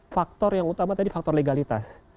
faktor yang utama tadi faktor legalitas